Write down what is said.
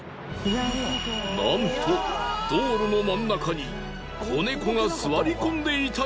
なんと道路の真ん中に子猫が座り込んでいたじゃないですか！